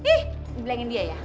ih ngeblankin dia ya